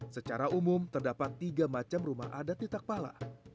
secara umum terdapat tiga macam rumah adat di takpala